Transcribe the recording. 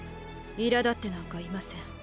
いらだってなんかいません。